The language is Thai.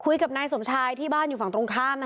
คุยกับนายสมชายที่บ้านอยู่ฝั่งตรงข้าม